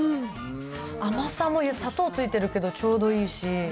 甘さも、砂糖ついてるけどちょうどいいし。